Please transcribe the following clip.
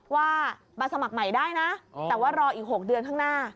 ว่ามาสมัครใหม่ได้นะแต่ว่ารออีก๖เดือนข้างหน้า